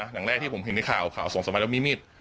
อย่างแรกที่ผมเห็นในข่าวข่าวสองสมัยแล้วมีมีด